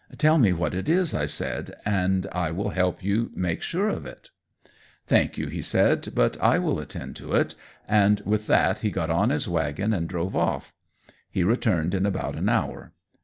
"Tell me what it is," I said, "and I will help you make sure of ft." "Thank you," he said, "but I will attend to it," and with that he got on his wagon and drove off. He returned in about an hour.